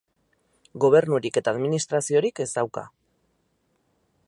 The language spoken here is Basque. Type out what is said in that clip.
Gobernurik eta administraziorik ez dauka.